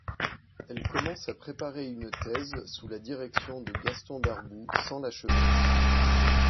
Elle commence à préparer une thèse sous la direction de Gaston Darboux sans l'achever.